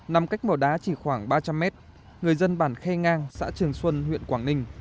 nằm cách mỏ đá chỉ khoảng ba trăm linh mét người dân bản khe ngang xã trường xuân huyện quảng ninh